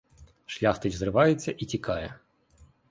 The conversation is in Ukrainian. Шляхтич зривається і втікає.